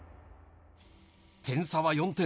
点差は４点。